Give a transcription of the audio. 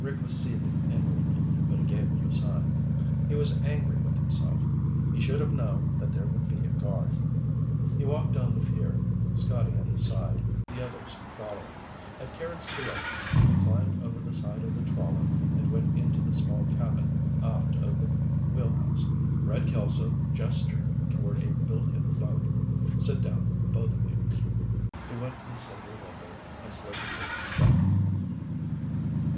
Rick was seething inwardly, but he gave no sign. He was angry with himself. He should have known that there would be a guard. He walked down the pier, Scotty at his side, the others following. At Carrots' direction he climbed over the side of the trawler and went into the small cabin aft of the wheelhouse. Red Kelso gestured toward a built in bunk. "Sit down, both of you." He went to the single window and slid the curtains shut.